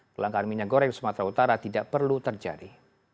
pelanggan minyak goreng di sumatera utara tidak perlu terjadi